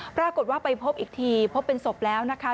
ปรากฏว่าไปพบอีกทีพบเป็นศพแล้วนะคะ